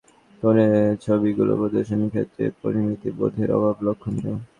তবে গ্যালারির দেয়ালজুড়ে ঠাসাঠাসি করে ছবিগুলো প্রদর্শনের ক্ষেত্রে পরিমিতি বোধের অভাব লক্ষণীয়।